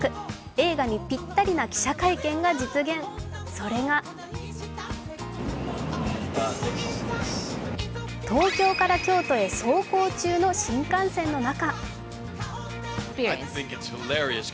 映画にぴったりな記者会見が実現、それが東京から京都へ走行中の新幹線の中。